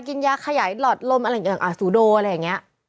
กินยาขยายหลอดลมอะไรอย่างสูโดอะไรอย่างนี้